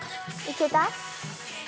いけた？